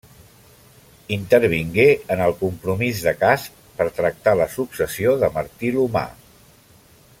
Intervingué en el Compromís de Casp per tractar la successió de Martí l'Humà.